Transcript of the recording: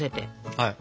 はい。